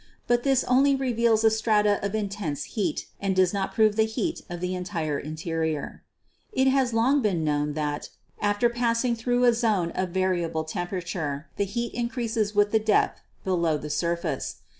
But this only reveals a strata of intense heat and does not prove the heat of the entire interior. It has long been known that after passing through a VULCANISM 125 zone of variable temperature the heat increases with the depth below the surface.